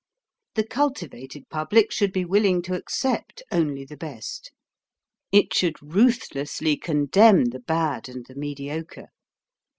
The cultivated public should be willing to accept only the best ; it should ruth lessly condemn the bad and the mediocre.